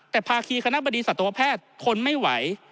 แต่ภาคีคณะบดีสัตวแพทย์ทนไม่ไหว